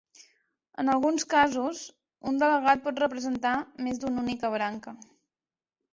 En alguns casos, un delegat pot representar més d'una única branca.